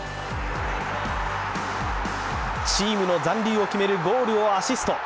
チームの残留を決めるゴールをアシスト。